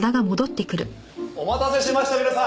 お待たせしました皆さん。